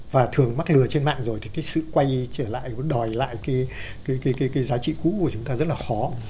và thường mắc lừa trên mạng rồi thì cái sự quay trở lại đòi lại cái giá trị cũ của chúng ta rất là khó